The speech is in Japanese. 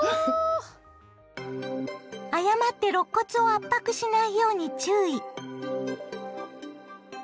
誤ってろっ骨を圧迫しないように注意！